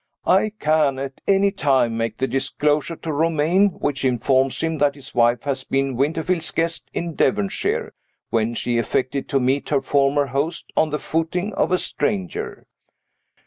I can, at any time, make the disclosure to Romayne which informs him that his wife had been Winterfield's guest in Devonshire, when she affected to meet her former host on the footing of a stranger.